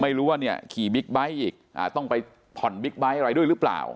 ไม่รู้ว่าเนี่ยขี่บิ๊กไบท์อีกต้องไปผ่อนบิ๊กไบท์อะไรด้วยหรือเปล่า